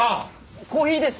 コーヒーです。